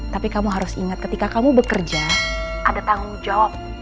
tapi kamu harus ingat ketika kamu bekerja ada tanggung jawab